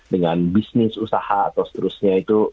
dengan bisnis usaha atau seterusnya itu